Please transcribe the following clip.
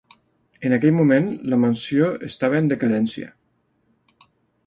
En aquell moment, la mansió estava en decadència.